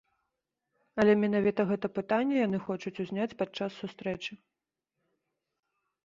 Але менавіта гэта пытанне яны хочуць узняць падчас сустрэчы.